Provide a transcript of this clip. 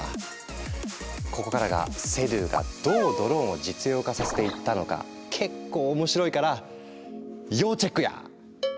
ここからがセドゥがどうドローンを実用化させていったのか結構面白いから要チェックや！